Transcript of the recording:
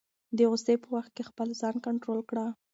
د غصې په وخت کې خپل ځان کنټرول کړه.